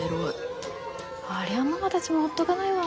ありゃママたちもほっとかないわ。